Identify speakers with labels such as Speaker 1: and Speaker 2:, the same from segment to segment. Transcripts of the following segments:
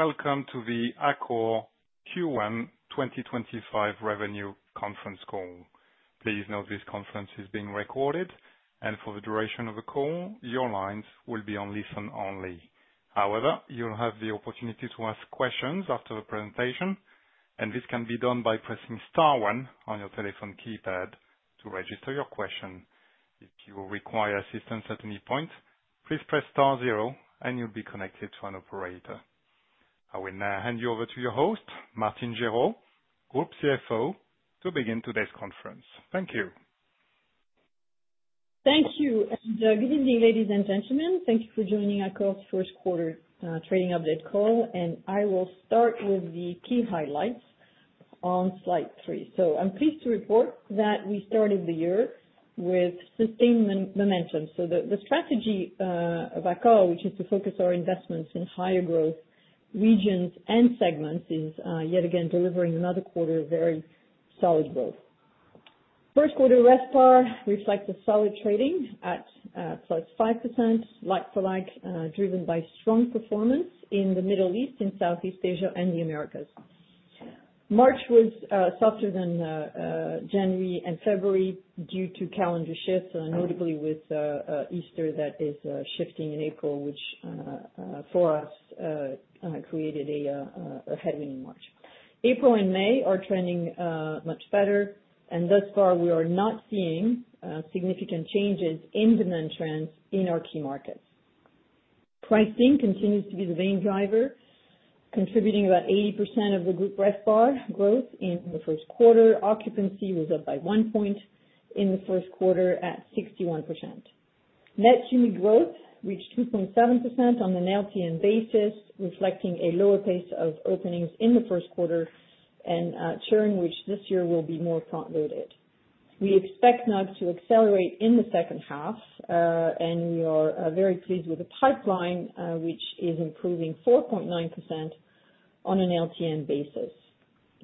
Speaker 1: Welcome to the Accor Q1 2025 Revenue conference call. Please note this conference is being recorded, and for the duration of the call, your lines will be on listen only. However, you'll have the opportunity to ask questions after the presentation, and this can be done by pressing star one on your telephone keypad to register your question. If you require assistance at any point, please press star zero, and you'll be connected to an operator. I will now hand you over to your host, Martine Gerow, Group CFO, to begin today's conference. Thank you.
Speaker 2: Thank you, and good evening, ladies and gentlemen. Thank you for joining Accor's first quarter trading update call, and I will start with the key highlights on slide three. I am pleased to report that we started the year with sustained momentum. The strategy of Accor, which is to focus our investments in higher growth regions and segments, is yet again delivering another quarter of very solid growth. First quarter RevPAR reflects a solid trading at +5%, like for like, driven by strong performance in the Middle East, in Southeast Asia, and the Americas. March was softer than January and February due to calendar shifts, notably with Easter that is shifting in April, which for us created a headwind in March. April and May are trending much better, and thus far we are not seeing significant changes in demand trends in our key markets. Pricing continues to be the main driver, contributing about 80% of the group RevPAR growth in the first quarter. Occupancy was up by one point in the first quarter at 61%. Net unit growth reached 2.7% on an LTM basis, reflecting a lower pace of openings in the first quarter and churn, which this year will be more front-loaded. We expect NUG to accelerate in the second half, and we are very pleased with the pipeline, which is improving 4.9% on an LTM basis.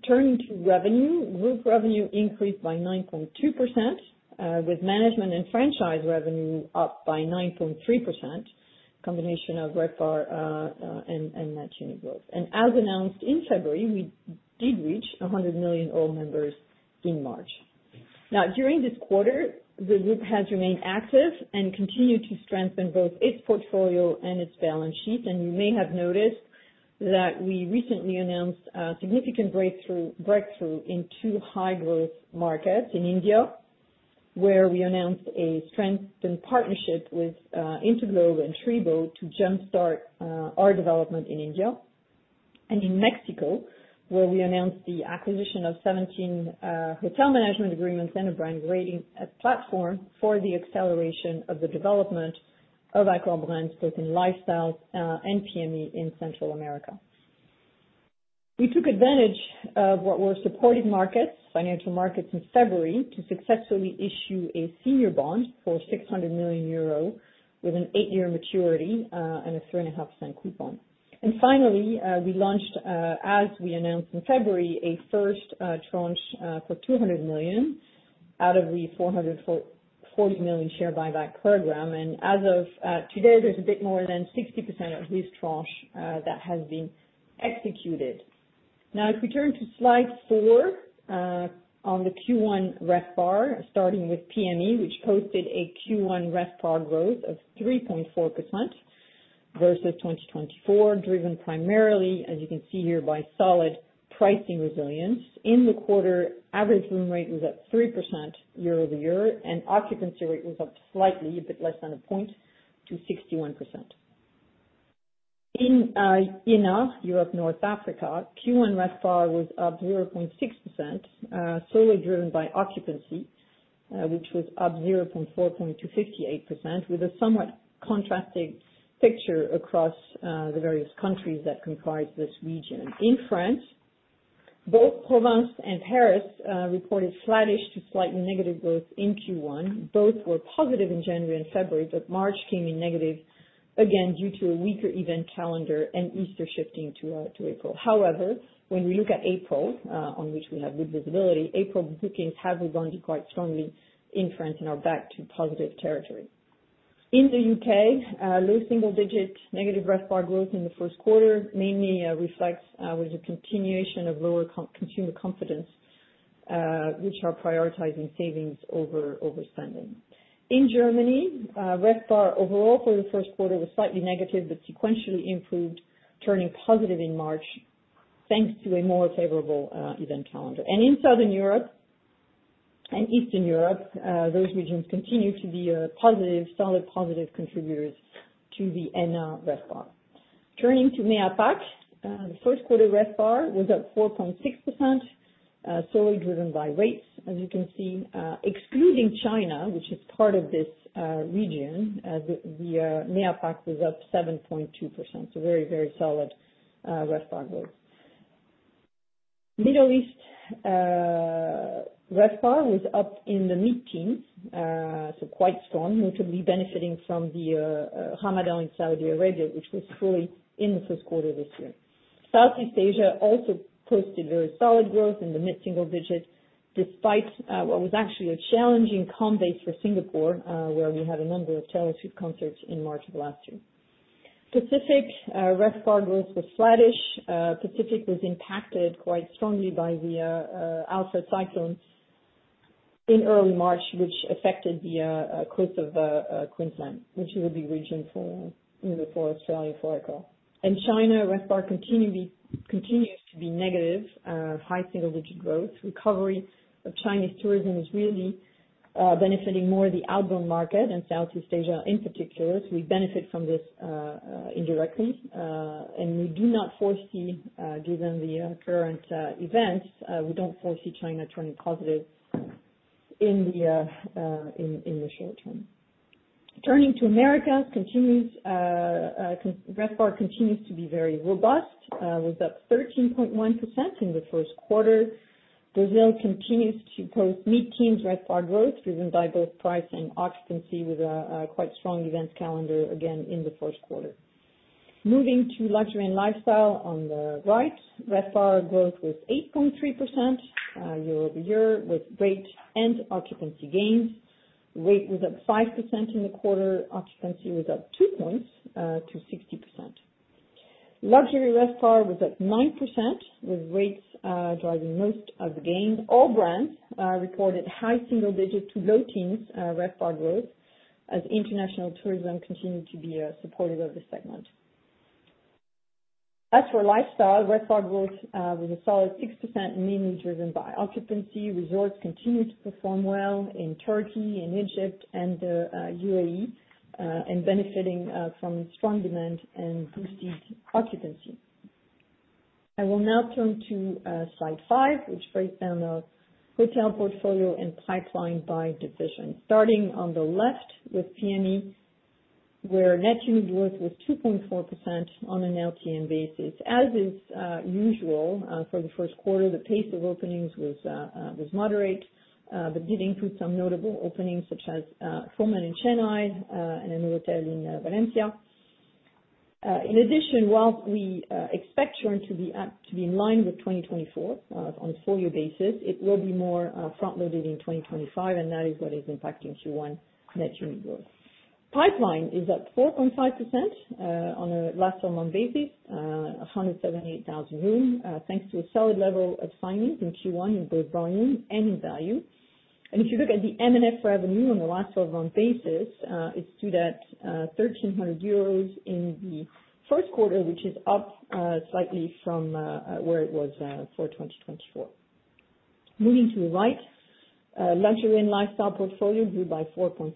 Speaker 2: Turning to revenue, group revenue increased by 9.2%, with management and franchise revenue up by 9.3%, a combination of RevPAR and net unit growth. As announced in February, we did reach 100 million ALL members in March. During this quarter, the group has remained active and continued to strengthen both its portfolio and its balance sheet. You may have noticed that we recently announced a significant breakthrough in two high-growth markets in India, where we announced a strengthened partnership with InterGlobe and TRIBE to jump-start our development in India. In Mexico, we announced the acquisition of 17 hotel management agreements and a brand rating platform for the acceleration of the development of Accor brands, both in Lifestyle and PME in Central America. We took advantage of what were supportive markets, financial markets in February, to successfully issue a senior bond for 600 million euro with an eight-year maturity and a 3.5% coupon. Finally, we launched, as we announced in February, a first tranche for 200 million out of the 440 million share buyback program. As of today, there is a bit more than 60% of this tranche that has been executed. Now, if we turn to slide four on the Q1 RevPAR, starting with PME, which posted a Q1 RevPAR growth of 3.4% versus 2024, driven primarily, as you can see here, by solid pricing resilience. In the quarter, average room rate was up 3% year-over-year, and occupancy rate was up slightly, a bit less than a point, to 61%. In ENA, Europe-North Africa, Q1 RevPAR was up 0.6%, solely driven by occupancy, which was up 0.4 percentage point to 58%, with a somewhat contrasting picture across the various countries that comprise this region. In France, both Provence and Paris reported flattish to slightly negative growth in Q1. Both were positive in January and February, but March came in negative again due to a weaker event calendar and Easter shifting to April. However, when we look at April, on which we have good visibility, April bookings have rebounded quite strongly in France and are back to positive territory. In the U.K., low single-digit negative RevPAR growth in the first quarter mainly reflects the continuation of lower consumer confidence, which are prioritizing savings over spending. In Germany, RevPAR overall for the first quarter was slightly negative but sequentially improved, turning positive in March thanks to a more favorable event calendar. In Southern Europe and Eastern Europe, those regions continue to be positive, solid positive contributors to the ENA RevPAR. Turning to MEA APAC, the first quarter RevPAR was up 4.6%, solely driven by rates, as you can see. Excluding China, which is part of this region, the MEA APAC was up 7.2%, so very, very solid RevPAR growth. Middle East RevPAR was up in the mid-teens, so quite strong, notably benefiting from the Ramadan in Saudi Arabia, which was fully in the first quarter this year. Southeast Asia also posted very solid growth in the mid-single digit despite what was actually a challenging comp base for Singapore, where we had a number of Taylor Swift concerts in March of last year. Pacific RevPAR growth was flatish. Pacific was impacted quite strongly by the Alfred Cyclone in early March, which affected the coast of Queensland, which is a big region for Australia, for Accor. And China RevPAR continues to be negative, high single-digit growth. Recovery of Chinese tourism is really benefiting more the outbound market and Southeast Asia in particular, so we benefit from this indirectly. We do not foresee, given the current events, we don't foresee China turning positive in the short-term. Turning to Americas, RevPAR continues to be very robust, was up 13.1% in the first quarter. Brazil continues to post mid-teens RevPAR growth driven by both price and occupancy with a quite strong event calendar again in the first quarter. Moving to Luxury and Lifestyle on the right, RevPAR growth was 8.3% year-over-year with rate and occupancy gains. Rate was up 5% in the quarter, occupancy was up 2 percentage points to 60%. Luxury RevPAR was up 9% with rates driving most of the gain. All brands reported high single-digit to low teens RevPAR growth as international tourism continued to be supportive of the segment. As for lifestyle, RevPAR growth was a solid 6% mainly driven by occupancy. Resorts continue to perform well in Turkey, in Egypt, and the UAE, and benefiting from strong demand and boosted occupancy. I will now turn to slide five, which breaks down our hotel portfolio and pipeline by division. Starting on the left with PME, where net unit growth was 2.4% on an LTM basis. As is usual for the first quarter, the pace of openings was moderate but did include some notable openings such as Fairmont in Chennai and another hotel in Valencia. In addition, while we expect China to be in line with 2024 on a four-year basis, it will be more front-loaded in 2025, and that is what is impacting Q1 net unit growth. Pipeline is up 4.5% on a last twelve-month basis, 178,000 rooms, thanks to a solid level of signings in Q1 in both volume and in value. If you look at the M&F revenue on the last twelve-month basis, it stood at 1,300 euros in the first quarter, which is up slightly from where it was for 2024. Moving to the right, Luxury and Lifestyle portfolio grew by 4.3%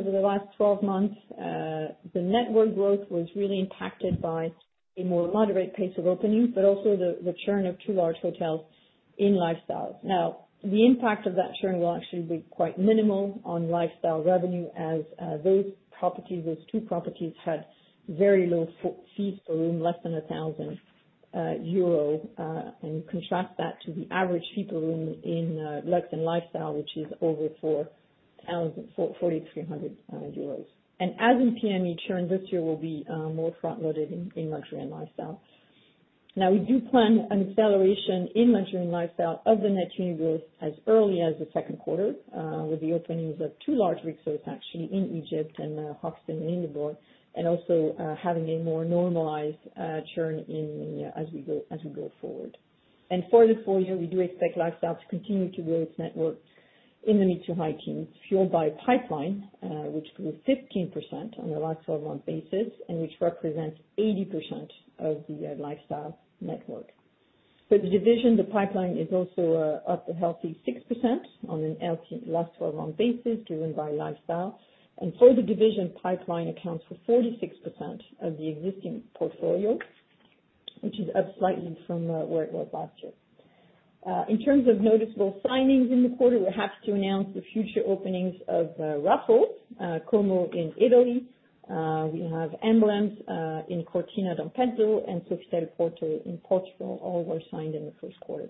Speaker 2: over the last twelve months. The network growth was really impacted by a more moderate pace of openings, but also the churn of two large hotels in Lifestyle. The impact of that churn will actually be quite minimal on lifestyle revenue as those two properties had very low fees per room, less than 1,000 euro, and contrast that to the average fee per room in luxe and lifestyle, which is over 4,300 euros. As in PME, churn this year will be more front-loaded in Luxury and Lifestyle. Now, we do plan an acceleration in Luxury and Lifestyle of the net unit growth as early as the second quarter with the openings of two large resorts actually in Egypt and Hoxton and Lindner, and also having a more normalized churn as we go forward. For the full year, we do expect lifestyle to continue to grow its network in the mid to high teens, fueled by pipeline, which grew 15% on a last twelve-month basis and which represents 80% of the lifestyle network. For the division, the pipeline is also up a healthy 6% on a last twelve-month basis driven by lifestyle. For the division, pipeline accounts for 46% of the existing portfolio, which is up slightly from where it was last year. In terms of noticeable signings in the quarter, we're happy to announce the future openings of Raffles Como in Italy. We have Emblems in Cortina d'Ampezzo and Sofitel Porto in Portugal, all were signed in the first quarter.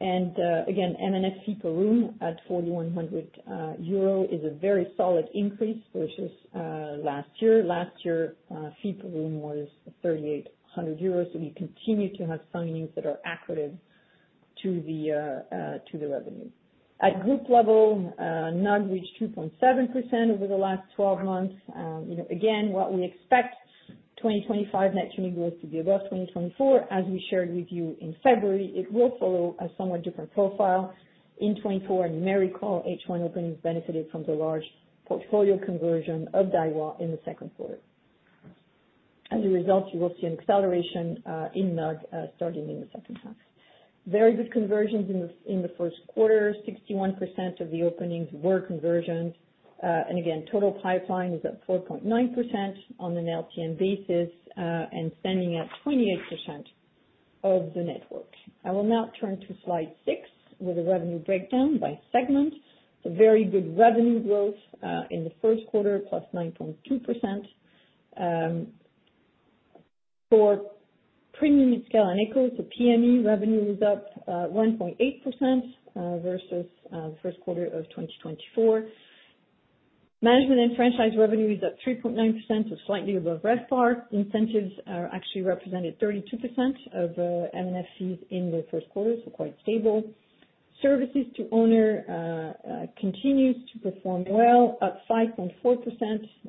Speaker 2: M&F fee per room at 4,100 euro is a very solid increase versus last year. Last year, fee per room was 3,800 euros, so we continue to have signings that are accurate to the revenue. At group level, NUG reached 2.7% over the last 12 months. What we expect 2025 net unit growth to be above 2024, as we shared with you in February, it will follow a somewhat different profile. In 2024, Accor H1 openings benefited from the large portfolio conversion of Daiwa in the second quarter. As a result, you will see an acceleration in NUG starting in the second half. Very good conversions in the first quarter, 61% of the openings were conversions. Total pipeline is up 4.9% on an LTM basis and standing at 28% of the network. I will now turn to slide six with a revenue breakdown by segment. It's a very good revenue growth in the first quarter, +9.2%. For premium, Midscale, and eco, so PME revenue is up 1.8% versus the first quarter of 2024. Management and franchise revenue is up 3.9%, so slightly above RevPAR. Incentives actually represented 32% of M&F fees in the first quarter, so quite stable. Services to Owners continues to perform well, up 5.4%,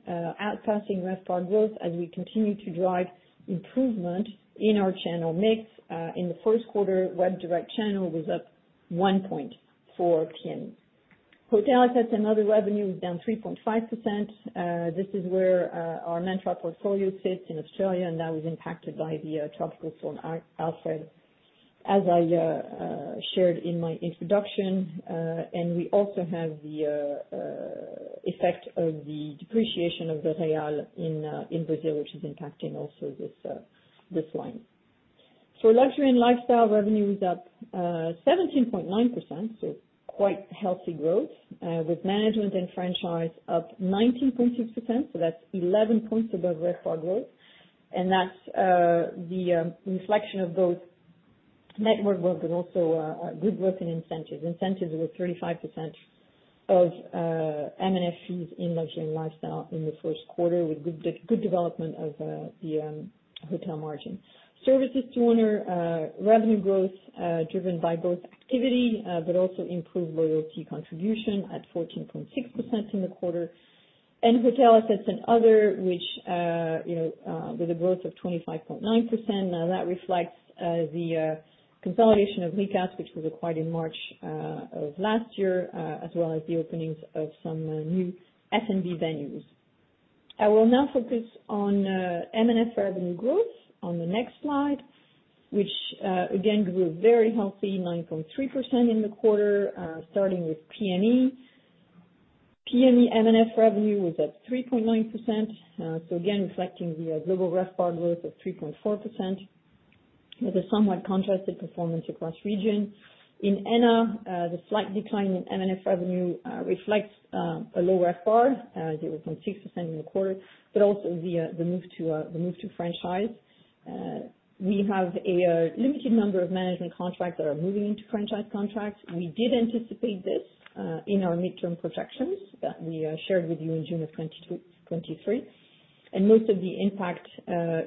Speaker 2: outpassing RevPAR growth as we continue to drive improvement in our channel mix. In the first quarter, Web Direct channel was up 1.4%. Hotel Assets and Other revenue is down 3.5%. This is where our Mantra portfolio sits in Australia, and that was impacted by the tropical storm Alfred, as I shared in my introduction. We also have the effect of the depreciation of the real in Brazil, which is impacting also this line. For Luxury and Lifestyle, revenue is up 17.9%, so quite healthy growth, with management and franchise up 19.6%, so that's 11 points above RevPAR growth. That's the reflection of both network growth and also good growth in incentives. Incentives were 35% of M&F fees in Luxury and Lifestyle in the first quarter, with good development of the hotel margin. Services to Owners, revenue growth driven by both activity but also improved loyalty contribution at 14.6% in the quarter. Hotel Assets and Other, which with a growth of 25.9%. Now, that reflects the consolidation of Rikas, which was acquired in March of last year, as well as the openings of some new F&B venues. I will now focus on M&F revenue growth on the next slide, which again grew very healthy, 9.3% in the quarter, starting with PME. PME M&F revenue was up 3.9%, so again reflecting the global RevPAR growth of 3.4% with a somewhat contrasted performance across region. In ENA, the slight decline in M&F revenue reflects a low RevPAR, 0.6% in the quarter, but also the move to franchise. We have a limited number of management contracts that are moving into franchise contracts. We did anticipate this in our midterm projections that we shared with you in June of 2023, and most of the impact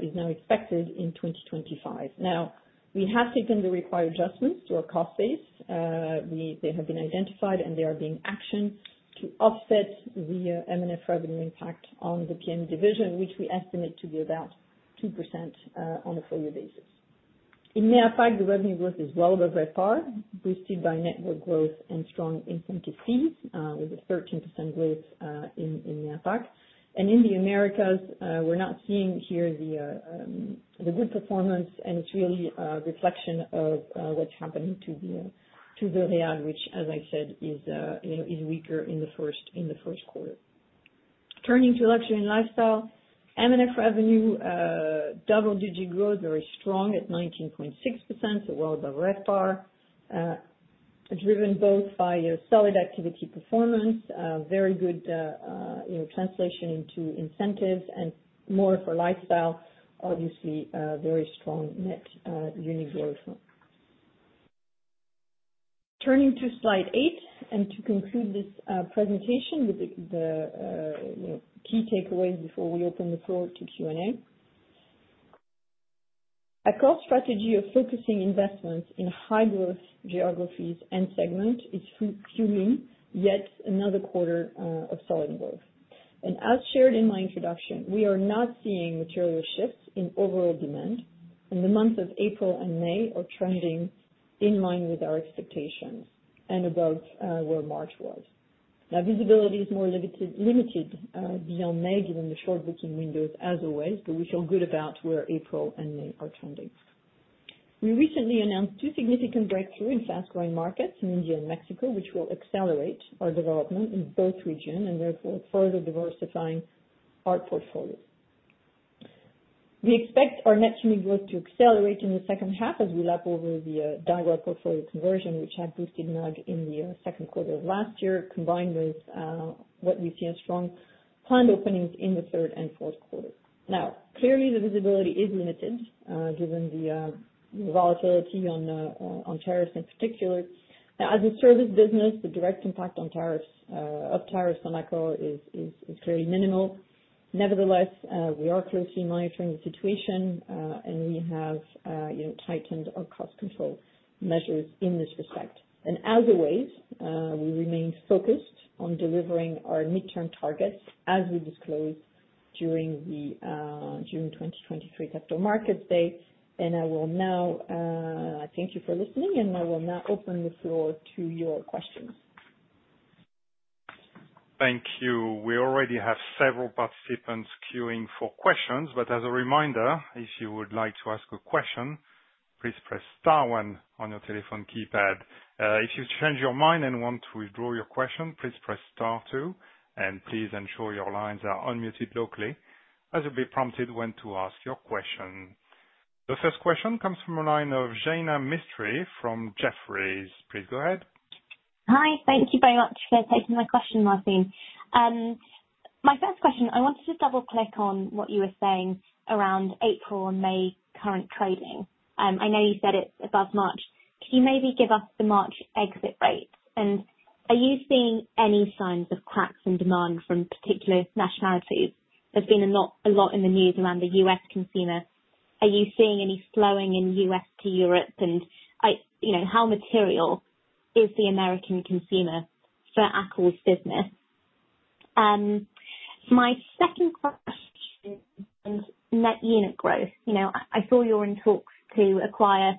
Speaker 2: is now expected in 2025. Now, we have taken the required adjustments to our cost base. They have been identified, and they are being actioned to offset the M&F revenue impact on the PME division, which we estimate to be about 2% on a four-year basis. In MEA APAC, the revenue growth is well above RevPAR, boosted by network growth and strong incentive fees, with a 13% growth in MEA APAC. In the Americas, we are not seeing here the good performance, and it is really a reflection of what is happening to the real, which, as I said, is weaker in the first quarter. Turning to Luxury and Lifestyle, M&F revenue, double-digit growth, very strong at 19.6%, so well above RevPAR, driven both by solid activity performance, very good translation into incentives, and more for lifestyle, obviously very strong net unit growth. Turning to slide eight and to conclude this presentation with the key takeaways before we open the floor to Q&A. A core strategy of focusing investments in high-growth geographies and segments is fueling yet another quarter of solid growth. As shared in my introduction, we are not seeing material shifts in overall demand, and the months of April and May are trending in line with our expectations and above where March was. Now, visibility is more limited beyond May given the short booking windows, as always, but we feel good about where April and May are trending. We recently announced two significant breakthroughs in fast-growing markets in India and Mexico, which will accelerate our development in both regions and therefore further diversifying our portfolio. We expect our net unit growth to accelerate in the second half as we lap over the Daiwa portfolio conversion, which had boosted NUG in the second quarter of last year, combined with what we see as strong planned openings in the third and fourth quarter. Now, clearly, the visibility is limited given the volatility on tariffs in particular. As a service business, the direct impact of tariffs on Accor is clearly minimal. Nevertheless, we are closely monitoring the situation, and we have tightened our cost control measures in this respect. As always, we remain focused on delivering our midterm targets as we disclosed during the June 2023 Capital Markets Day. I will now thank you for listening, and I will now open the floor to your questions. Thank you.
Speaker 1: We already have several participants queuing for questions, but as a reminder, if you would like to ask a question, please press star one on your telephone keypad. If you've changed your mind and want to withdraw your question, please press star two, and please ensure your lines are unmuted locally as you'll be prompted when to ask your question. The first question comes from a line of Jaina Mistry from Jefferies. Please go ahead.
Speaker 3: Hi, thank you very much for taking my question, Martine. My first question, I wanted to double-click on what you were saying around April and May current trading. I know you said it's above March. Can you maybe give us the March exit rates? Are you seeing any signs of cracks in demand from particular nationalities? There's been a lot in the news around the U.S. consumer. Are you seeing any slowing in U.S. to Europe? How material is the American consumer for Accor's business? My second question is net unit growth. I saw you're in talks to acquire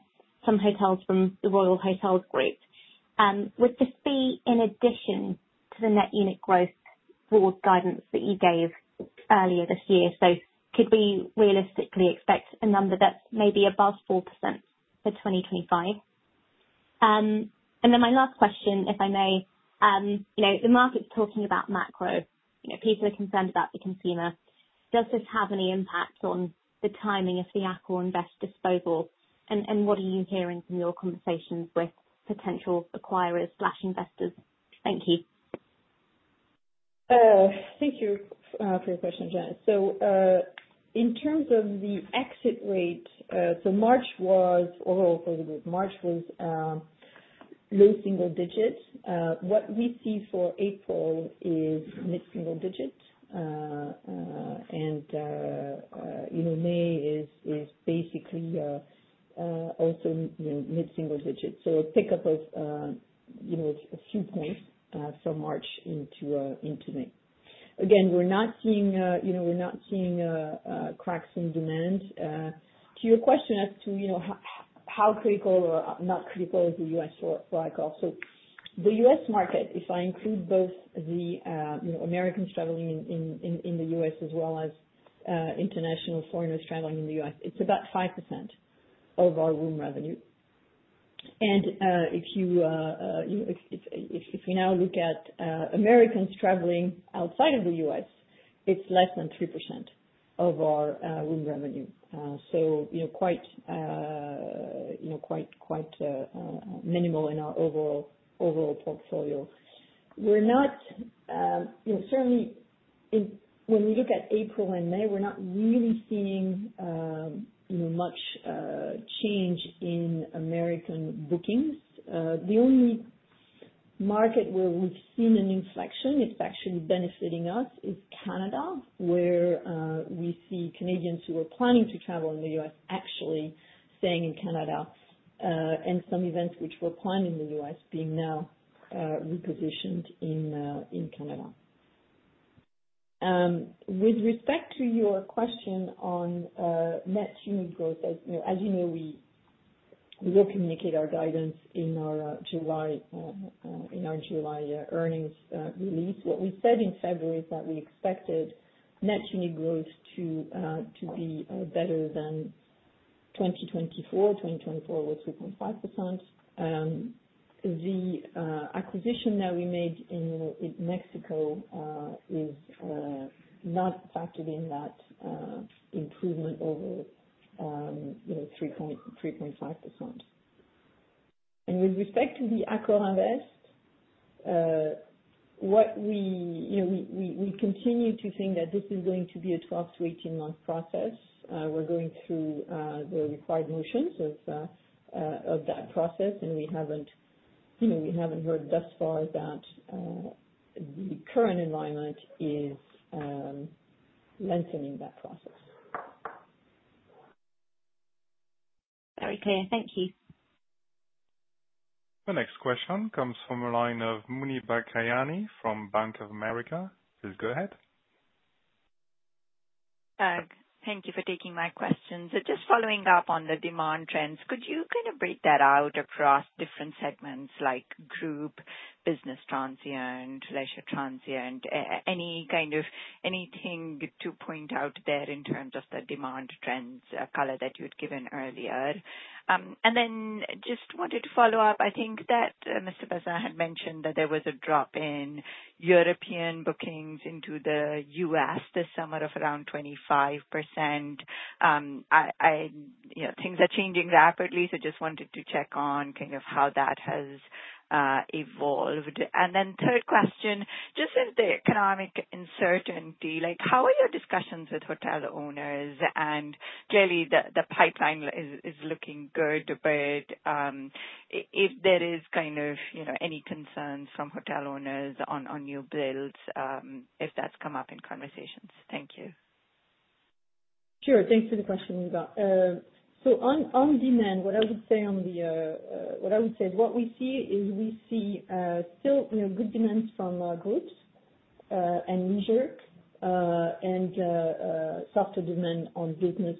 Speaker 3: some hotels from the Royal Hotels Group. Would this be in addition to the net unit growth board guidance that you gave earlier this year? Could we realistically expect a number that's maybe above 4% for 2025? My last question, if I may, the market's talking about macro. People are concerned about the consumer. Does this have any impact on the timing of the AccorInvest's disposal? What are you hearing from your conversations with potential acquirers/investors? Thank you.
Speaker 2: Thank you for your question, Jaina. In terms of the exit rate, March was—I'll put it this way—March was low single digits. What we see for April is mid-single digits, and May is basically also mid-single digits. A pickup of a few points from March into May. Again, we're not seeing—we're not seeing cracks in demand. To your question as to how critical or not critical is the U.S. for Accor, the U.S. market, if I include both the Americans traveling in the U.S. as well as international foreigners traveling in the U.S., it's about 5% of our room revenue. If we now look at Americans traveling outside of the U.S., it's less than 3% of our room revenue. Quite minimal in our overall portfolio. Certainly, when we look at April and May, we're not really seeing much change in American bookings. The only market where we've seen an inflection, it's actually benefiting us, is Canada, where we see Canadians who are planning to travel in the U.S. actually staying in Canada and some events which were planned in the U.S. being now repositioned in Canada. With respect to your question on net unit growth, as you know, we will communicate our guidance in our July earnings release. What we said in February is that we expected net unit growth to be better than 2024. 2024 was 3.5%. The acquisition that we made in Mexico is not factored in that improvement over 3.5%. With respect to the AccorInvest, we continue to think that this is going to be a 12-18 month process. We're going through the required motions of that process, and we haven't heard thus far that the current environment is lengthening that process.
Speaker 3: Very clear. Thank you.
Speaker 1: The next question comes from a line of Muneeba Kayani from Bank of America. Please go ahead.
Speaker 4: Thank you for taking my questions. Just following up on the demand trends, could you kind of break that out across different segments like group, business transient, leisure transient, any kind of anything to point out there in terms of the demand trends color that you had given earlier? I just wanted to follow up. I think that Mr. Bazin had mentioned that there was a drop in European bookings into the U.S. this summer of around 25%. Things are changing rapidly, so I just wanted to check on kind of how that has evolved. My third question, just in the economic uncertainty, how are your discussions with hotel owners? Clearly, the pipeline is looking good, but if there is kind of any concerns from hotel owners on new builds, if that's come up in conversations. Thank you.
Speaker 2: Sure. Thanks for the question. On demand, what I would say is what we see is we see still good demand from groups and leisure and softer demand on business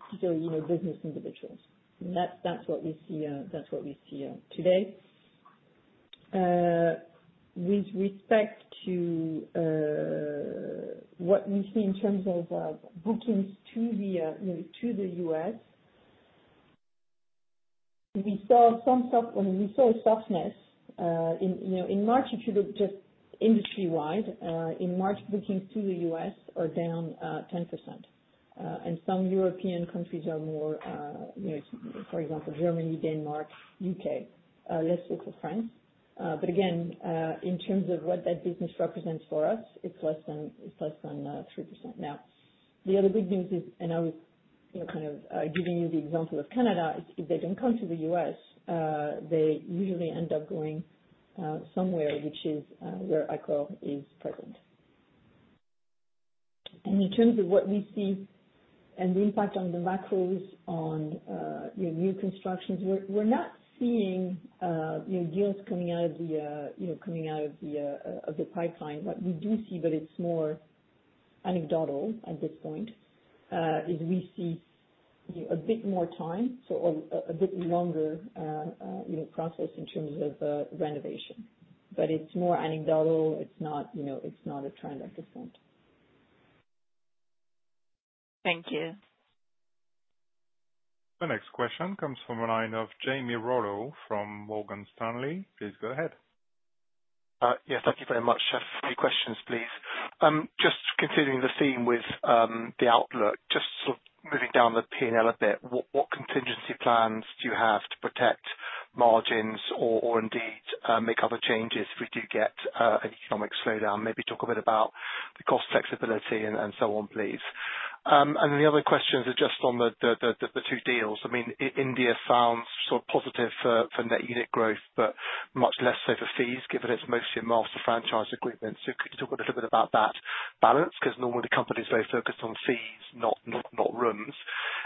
Speaker 2: individuals. That's what we see today. With respect to what we see in terms of bookings to the U.S., we saw some softness. In March, if you look just industry-wide, in March, bookings to the U.S. are down 10%. Some European countries are more, for example, Germany, Denmark, U.K., less so for France. Again, in terms of what that business represents for us, it's less than 3%. The other good news is, and I was kind of giving you the example of Canada, if they don't come to the U.S., they usually end up going somewhere, which is where Accor is present. In terms of what we see and the impact on the macros on new constructions, we're not seeing deals coming out of the pipeline. What we do see, but it's more anecdotal at this point, is we see a bit more time, so a bit longer process in terms of renovation. But it's more anecdotal. It's not a trend at this point.
Speaker 4: Thank you.
Speaker 1: The next question comes from a line of Jamie Rollo from Morgan Stanley. Please go ahead.
Speaker 5: Yes, thank you very much. Three questions, please. Just continuing the theme with the outlook, just sort of moving down the P&L a bit, what contingency plans do you have to protect margins or indeed make other changes if we do get an economic slowdown? Maybe talk a bit about the cost flexibility and so on, please. The other questions are just on the two deals. I mean, India sounds sort of positive for net unit growth, but much less so for fees, given it's mostly a master franchise agreement. Could you talk a little bit about that balance? Because normally, companies are very focused on fees, not rooms.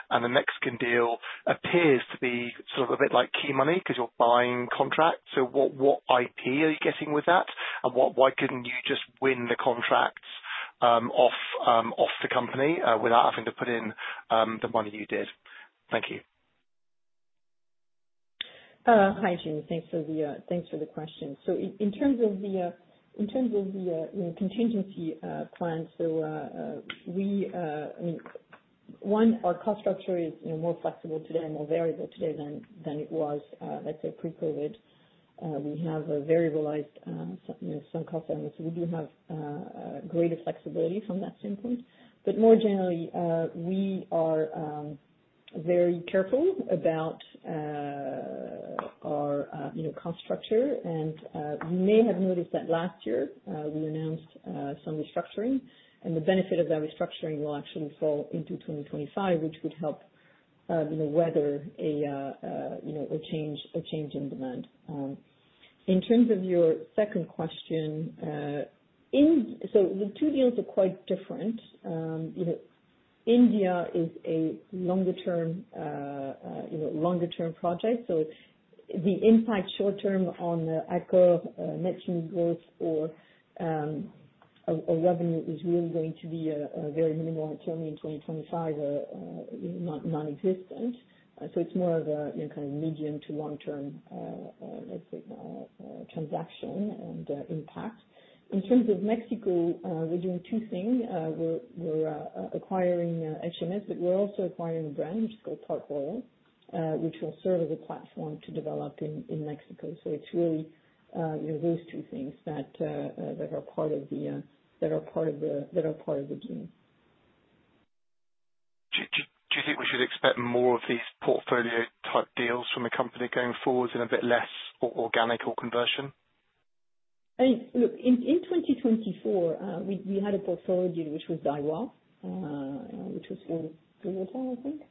Speaker 5: The Mexican deal appears to be sort of a bit like key money because you're buying contracts. What IP are you getting with that? Why couldn't you just win the contracts off the company without having to put in the money you did? Thank you.
Speaker 2: Hi, Jamie. Thanks for the question. In terms of the contingency plans, we, I mean, one, our cost structure is more flexible today and more variable today than it was, let's say, pre-COVID. We have a variabilized sunk cost element. We do have greater flexibility from that standpoint. More generally, we are very careful about our cost structure. You may have noticed that last year, we announced some restructuring. The benefit of that restructuring will actually fall into 2025, which would help weather a change in demand. In terms of your second question, the two deals are quite different. India is a longer-term project. The impact short-term on Accor net unit growth or revenue is really going to be very minimal in 2025, nonexistent. It is more of a kind of medium to long-term, let's say, transaction and impact. In terms of Mexico, we're doing two things. We're acquiring HMS, but we're also acquiring a brand which is called Park Royal, which will serve as a platform to develop in Mexico. It is really those two things that are part of the deal.
Speaker 5: Do you think we should expect more of these portfolio-type deals from a company going forwards and a bit less organic or conversion?
Speaker 2: Look, in 2024, we had a portfolio deal which was Daiwa, which was four hotels, I think.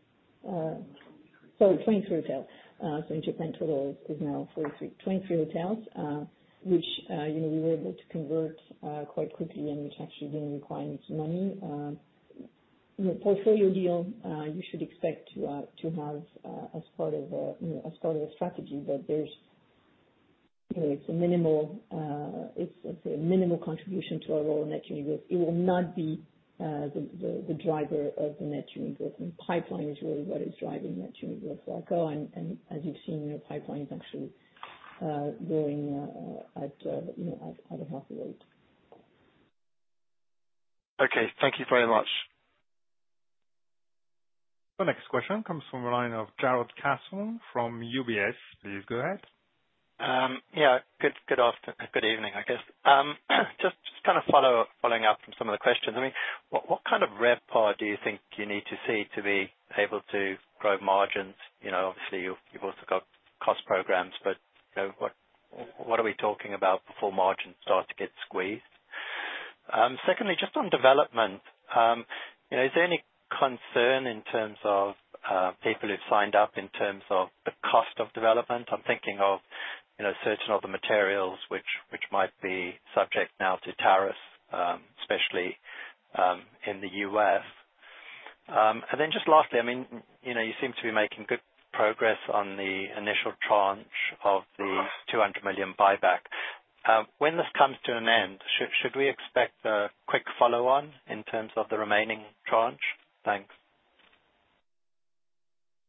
Speaker 2: Sorry, 23 hotels. So in Japan, total is now 43. 23 hotels, which we were able to convert quite quickly, and it's actually been requiring money. Portfolio deal, you should expect to have as part of a strategy, but it's a minimal—it's a minimal contribution to our role in net unit growth. It will not be the driver of the net unit growth. Pipeline is really what is driving net unit growth for Accor. As you've seen, pipeline is actually growing at a healthy rate.
Speaker 5: Okay. Thank you very much.
Speaker 1: The next question comes from a line of Jarrod Castle from UBS. Please go ahead.
Speaker 6: Yeah. Good afternoon. Good evening, I guess. Just kind of following up from some of the questions. I mean, what kind of RevPAR do you think you need to see to be able to grow margins? Obviously, you've also got cost programs, but what are we talking about before margins start to get squeezed? Secondly, just on development, is there any concern in terms of people who've signed up in terms of the cost of development? I'm thinking of certain other materials which might be subject now to tariffs, especially in the U.S. And then just lastly, I mean, you seem to be making good progress on the initial tranche of the $200 million buyback. When this comes to an end, should we expect a quick follow-on in terms of the remaining tranche? Thanks.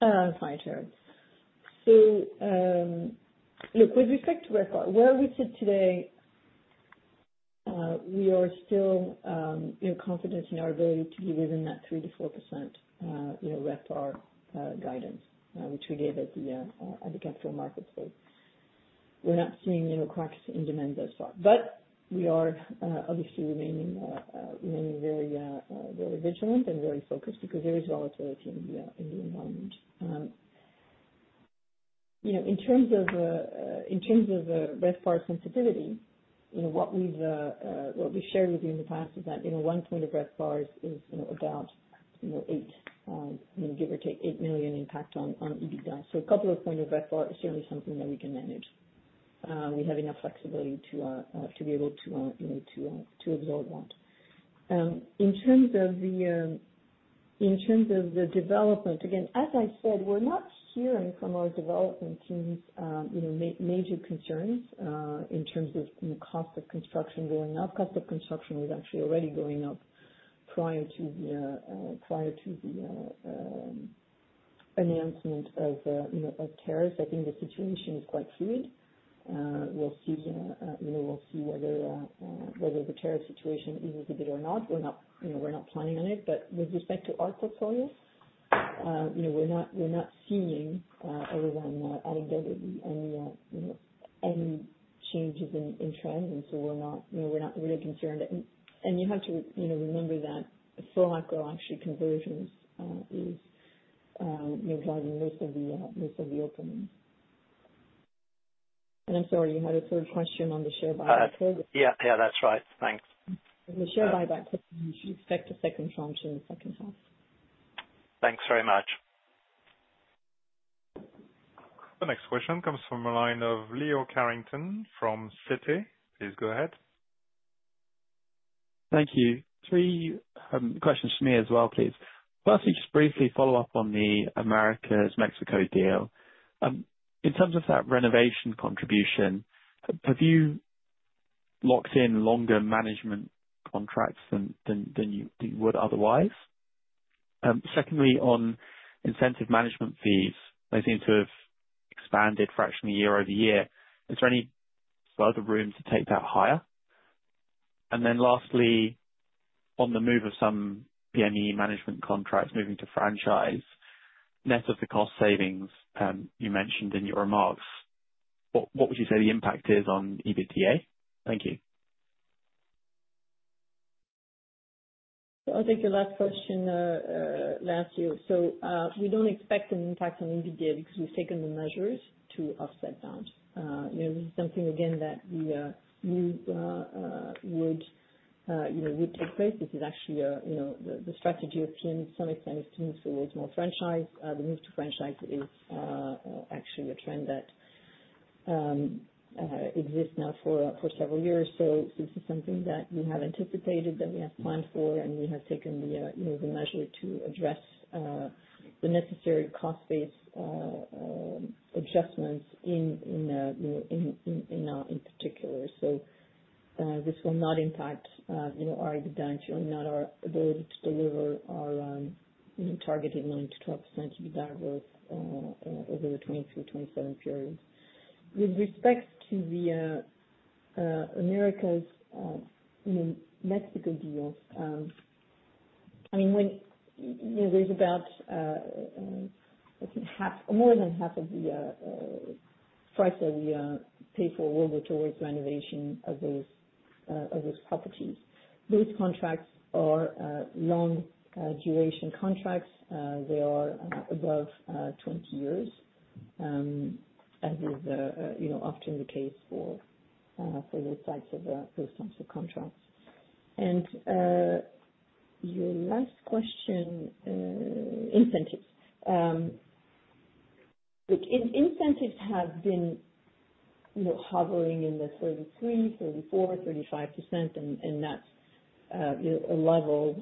Speaker 2: Hi, Jarrod. Look, with respect to RevPAR, where we sit today, we are still confident in our ability to be within that 3%-4% RevPAR guidance, which we gave at the Capital Markets Day. We're not seeing cracks in demand thus far. We are obviously remaining very vigilant and very focused because there is volatility in the environment. In terms of RevPAR sensitivity, what we've shared with you in the past is that one point of RevPAR is about 8 million, give or take, 8 million impact on EBITDA. A couple of points of RevPAR is certainly something that we can manage. We have enough flexibility to be able to absorb that. In terms of the development, again, as I said, we're not hearing from our development teams major concerns in terms of cost of construction going up. Cost of construction was actually already going up prior to the announcement of tariffs. I think the situation is quite fluid. We'll see whether the tariff situation is as good or not. We're not planning on it. With respect to our portfolio, we're not seeing other than anecdotally any changes in trend. We're not really concerned. You have to remember that full Accor conversions is driving most of the openings. I'm sorry, you had a third question on the share buyback program.
Speaker 6: Yeah. Yeah, that's right. Thanks.
Speaker 2: The share buyback program, you should expect a second tranche in the second half.
Speaker 6: Thanks very much.
Speaker 1: The next question comes from a line of Leo Carrington from Citi. Please go ahead.
Speaker 7: Thank you. Three questions from me as well, please. Firstly, just briefly follow up on the Americas Mexico deal. In terms of that renovation contribution, have you locked in longer management contracts than you would otherwise? Secondly, on incentive management fees, they seem to have expanded fractionally year-over-year. Is there any further room to take that higher? Lastly, on the move of some PME management contracts moving to franchise, net of the cost savings you mentioned in your remarks, what would you say the impact is on EBITDA? Thank you.
Speaker 2: I'll take your last question, Leo. We don't expect an impact on EBITDA because we've taken the measures to offset that. This is something, again, that we knew would take place. This is actually the strategy of PME, to some extent, to move towards more franchise. The move to franchise is actually a trend that exists now for several years. This is something that we have anticipated, that we have planned for, and we have taken the measure to address the necessary cost-based adjustments in particular. This will not impact our EBITDA and certainly not our ability to deliver our targeted 9%-12% EBITDA growth over the 2023-2027 periods. With respect to the Americas Mexico deal, I mean, there's about more than half of the price that we pay for will go towards renovation of those properties. Those contracts are long-duration contracts. They are above 20 years, as is often the case for those types of contracts. Your last question, incentives. Look, incentives have been hovering in the 33%, 34%, 35%. That is a level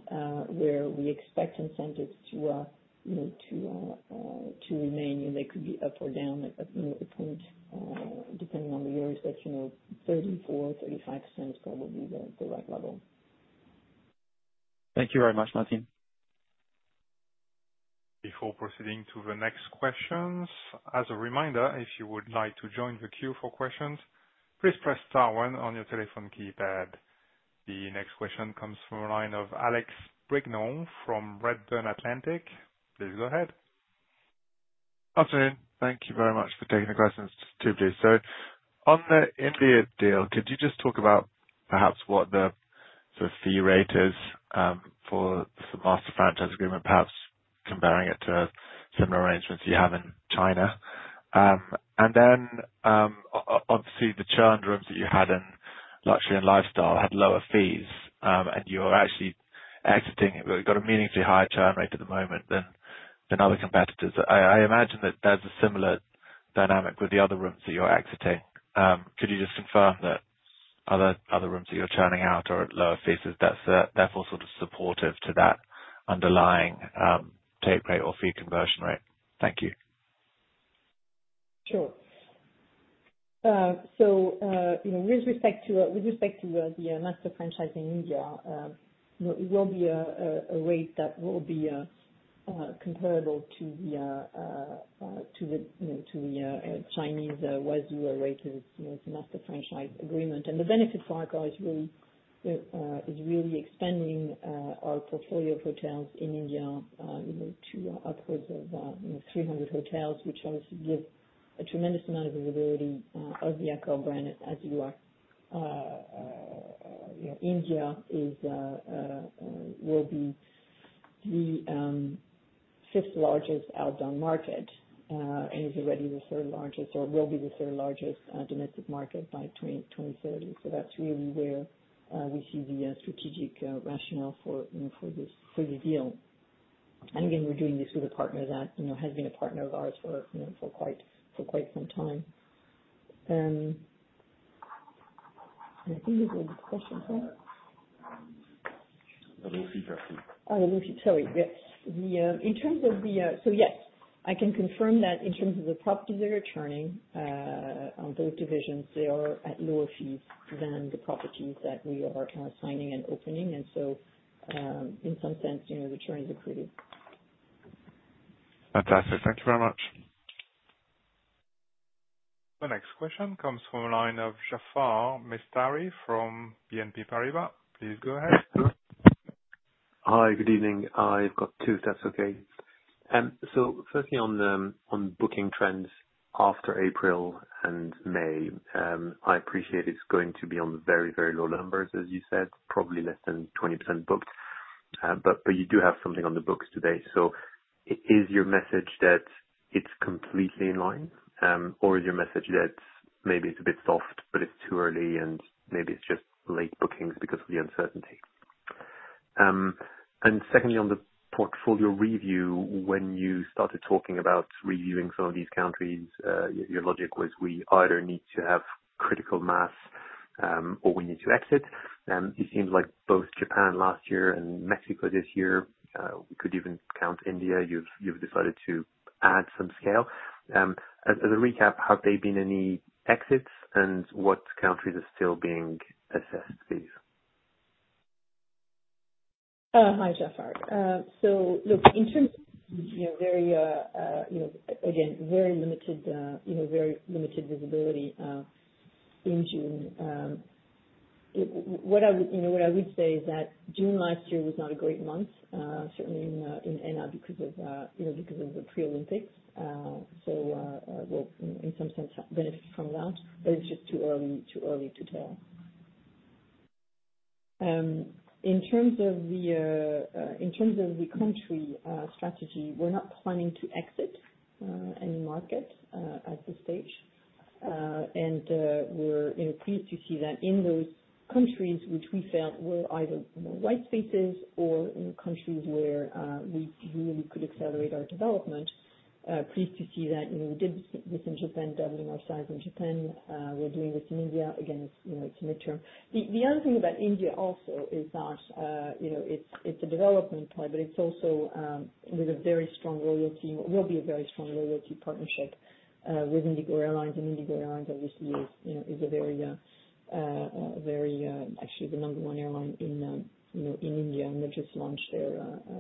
Speaker 2: where we expect incentives to remain. They could be up or down at any point, depending on the years. 34%, 35% is probably the right level.
Speaker 7: Thank you very much, Martine.
Speaker 1: Before proceeding to the next questions, as a reminder, if you would like to join the queue for questions, please press star one on your telephone keypad. The next question comes from a line of Alex Brignall from Redburn Atlantic. Please go ahead.
Speaker 8: Afternoon. Thank you very much for taking the questions, too, please. On the India deal, could you just talk about perhaps what the fee rate is for master franchise agreement, perhaps comparing it to similar arrangements you have in China? Obviously, the churn rooms that you had in Luxury and Lifestyle had lower fees, and you're actually exiting it, but you've got a meaningfully higher churn rate at the moment than other competitors. I imagine that there's a similar dynamic with the other rooms that you're exiting. Could you just confirm that other rooms that you're churning out are at lower fees, that they're also supportive to that underlying take rate or fee conversion rate? Thank you.
Speaker 2: Sure. With respect to the master franchise in India, it will be a rate that will be comparable to the Chinese Huazhu rate to master franchise agreement. The benefit for Accor is really expanding our portfolio of hotels in India to upwards of 300 hotels, which obviously gives a tremendous amount of visibility of the Accor brand as you are. India will be the fifth largest outbound market and is already the third largest or will be the third largest domestic market by 2030. That is really where we see the strategic rationale for the deal. Again, we are doing this with a partner that has been a partner of ours for quite some time. I think this will be the question for.
Speaker 8: The low-fee drafting.
Speaker 2: Oh, the low-fee. Sorry. Yes. In terms of the, so yes, I can confirm that in terms of the properties that are churning on both divisions, they are at lower fees than the properties that we are signing and opening. In some sense, the churn is accretive.
Speaker 8: Fantastic. Thank you very much.
Speaker 1: The next question comes from a line of Jaafar Mestari from BNP Paribas. Please go ahead.
Speaker 9: Hi, good evening. I've got two, if that's okay. Firstly, on booking trends after April and May, I appreciate it's going to be on very, very low numbers, as you said, probably less than 20% booked. You do have something on the books today. Is your message that it's completely in line, or is your message that maybe it's a bit soft, but it's too early, and maybe it's just late bookings because of the uncertainty? Secondly, on the portfolio review, when you started talking about reviewing some of these countries, your logic was we either need to have critical mass or we need to exit. It seems like both Japan last year and Mexico this year, we could even count India, you've decided to add some scale. As a recap, have there been any exits, and what countries are still being assessed, please?
Speaker 2: Hi, Jaafar. Look, in terms of very, again, very limited visibility in June, what I would say is that June last year was not a great month, certainly in ENA because of the pre-Olympics. In some sense, benefit from that. It is just too early to tell. In terms of the country strategy, we are not planning to exit any market at this stage. We are pleased to see that in those countries which we felt were either white spaces or countries where we really could accelerate our development, pleased to see that we did this in Japan, doubling our size in Japan. We are doing this in India. Again, it is a midterm. The other thing about India also is that it is a development play, but it is also with a very strong loyalty or will be a very strong loyalty partnership with IndiGo Airlines. IndiGo Airlines, obviously, is a very, actually, the number one airline in India, and they just launched their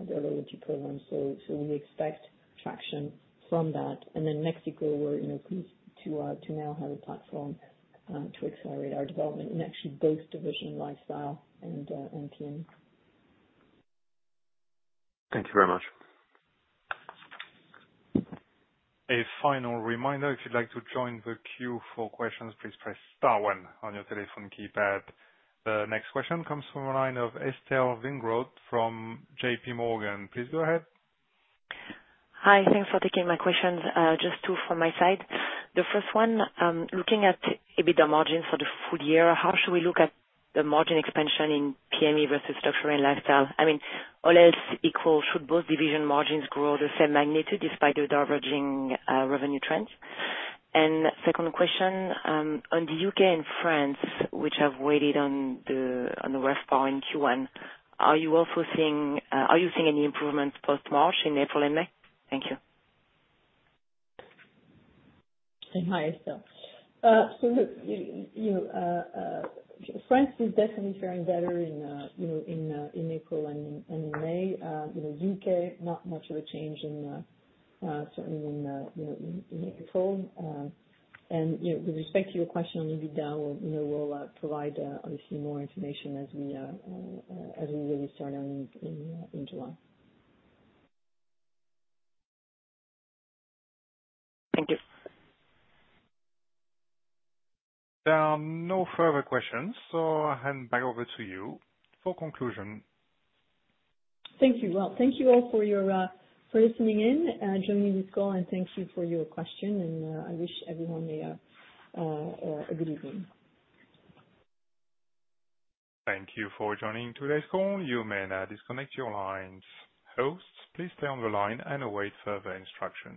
Speaker 2: loyalty program. We expect traction from that. Mexico, we're pleased to now have a platform to accelerate our development in actually both Division Lifestyle and PME.
Speaker 9: Thank you very much.
Speaker 1: A final reminder, if you'd like to join the queue for questions, please press star one on your telephone keypad. The next question comes from a line of Estelle Weingrod from JPMorgan. Please go ahead.
Speaker 10: Hi. Thanks for taking my questions. Just two from my side. The first one, looking at EBITDA margins for the full year, how should we look at the margin expansion in PME versus Luxury and Lifestyle? I mean, all else equal, should both division margins grow the same magnitude despite the diverging revenue trends? The second question, on the U.K. and France, which have weighted on the RevPAR in Q1, are you seeing any improvements post-March in April and May? Thank you.
Speaker 2: Hi, Estelle. France is definitely faring better in April and in May. U.K., not much of a change in certainly in April. With respect to your question on EBITDA, we'll provide obviously more information as we really start earning in July.
Speaker 10: Thank you.
Speaker 1: There are no further questions, so I hand back over to you for conclusion.
Speaker 2: Thank you. Thank you all for listening in and joining this call, and thank you for your question. I wish everyone a good evening.
Speaker 1: Thank you for joining today's call. You may now disconnect your lines. Hosts, please stay on the line and await further instructions.